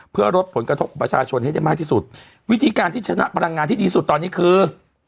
เพื่อลดผลกระทบของประชาชนให้ได้มากที่สุดวิธีการที่ชนะพลังงานที่ดีสุดตอนนี้คือ